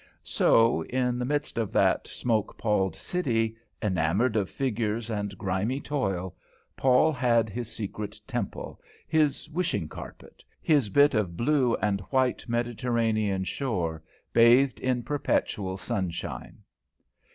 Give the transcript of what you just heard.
So, in the midst of that smoke palled city, enamoured of figures and grimy toil, Paul had his secret temple, his wishing carpet, his bit of blue and white Mediterranean shore bathed in perpetual sunshine.